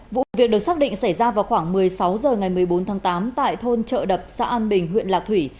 vụ việc được xác định xảy ra vào khoảng một mươi sáu h ngày một mươi bốn tháng tám tại thôn trợ đập xã an bình huyện lạc thủy